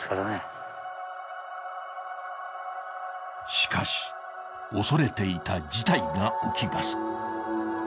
しかし、恐れていた事態が起きます。